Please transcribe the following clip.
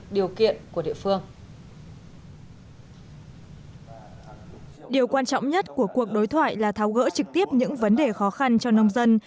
điều quan trọng nhất của cuộc đối thoại là tháo gỡ trực tiếp những vấn đề khó khăn cho nông dân